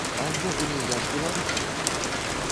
А ўвогуле, я ж беларуска!